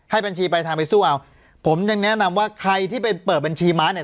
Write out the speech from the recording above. บัญชีไปทางไปสู้เอาผมยังแนะนำว่าใครที่ไปเปิดบัญชีม้าเนี่ย